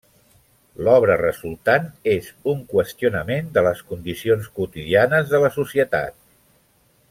L'obra resultant és un qüestionament de les condicions quotidianes de la societat.